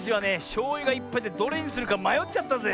しょうゆがいっぱいでどれにするかまよっちゃったぜ。